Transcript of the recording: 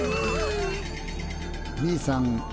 Ｂさん